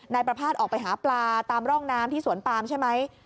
นายประภาษณ์ออกไปหาปลาตามร่องน้ำที่สวนปามใช่ไหม